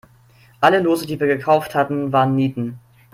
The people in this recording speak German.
Alle Lose, die wir gekauft hatten, waren Nieten.